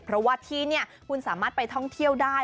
เพราะว่าที่นี่คุณสามารถไปท่องเที่ยวได้